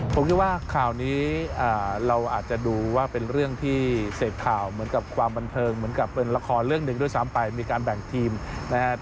ผมคิดว่าข่าวนี้เราอาจจะดูว่าเป็นเรื่องที่เสพข่าวเหมือนกับความบันเทิงเหมือนกับเป็นละครเรื่องหนึ่งด้วยซ้ำไปมีการแบ่งทีมนะครับ